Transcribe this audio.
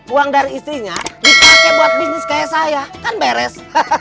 uang dari istrinya dipakai buat bisnis kayak saya kan beres